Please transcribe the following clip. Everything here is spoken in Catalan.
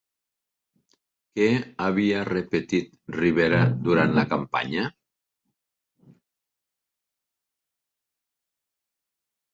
Què havia repetit Rivera durant la campanya?